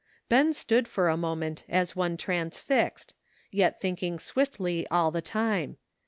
Ben stood for a moment as one transfixed, yet thinking swiftly all the time.